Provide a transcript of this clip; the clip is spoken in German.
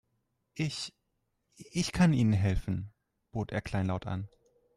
"Ich, ich kann Ihnen helfen", bot er kleinlaut an.